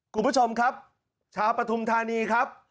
คุณผู้ชมครับชาวปฐุมธานีครับ